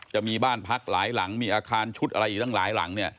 จะมีบ้านพักหลายหลังมีอาคารชุดอะไรอีกตั้งหลายหลังเนี่ย